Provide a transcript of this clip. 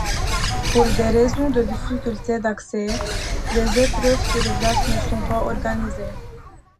Pour des raisons de difficultés d'accès, les épreuves sur glace ne sont pas organisées.